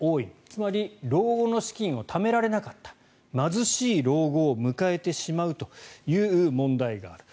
つまり老後の資金をためられなかった貧しい老後を迎えてしまうという問題がある。